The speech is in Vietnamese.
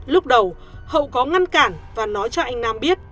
lúc đầu hậu có ngăn cản và nói cho anh nam biết